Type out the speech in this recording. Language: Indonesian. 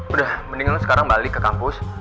udah mending lo sekarang balik ke kampus